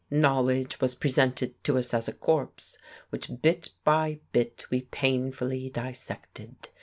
Knowledge was presented to us as a corpse, which bit by bit we painfully dissected.